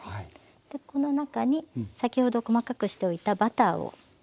この中に先ほど細かくしておいたバターを入れます。